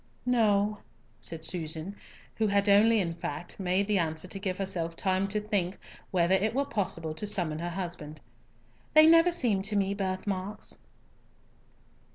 "No," said Susan, who had in fact only made the answer to give herself time to think whether it were possible to summon her husband. "They never seemed to me birth marks."